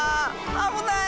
あぶない！